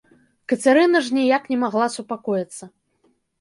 Кацярына ж ніяк не магла супакоіцца.